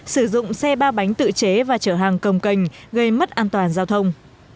sử dụng xe ba bánh tự chế và chở hàng công cành gây mất an toàn giao thông